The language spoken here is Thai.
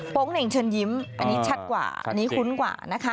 เหน่งเชิญยิ้มอันนี้ชัดกว่าอันนี้คุ้นกว่านะคะ